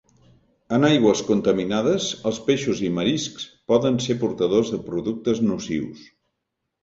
En aigües contaminades els peixos i mariscs poden ser portadors de productes nocius.